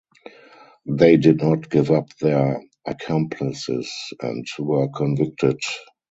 They did not give up their accomplices and were convicted.